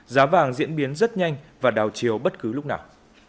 giá vàng diễn biến rất nhanh và đào chiều bất cứ lúc nào